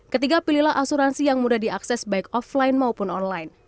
ketiga pilihlah asuransi yang mudah diakses baik offline maupun online